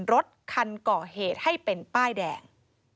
รถคันก่อเหตุให้เป็นป้ายแดง